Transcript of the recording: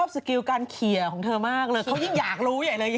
สกิลการเคลียร์ของเธอมากเลยเขายิ่งอยากรู้ใหญ่เลย